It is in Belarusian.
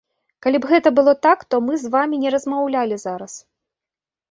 Калі б гэта было так, то мы з вамі не размаўлялі зараз.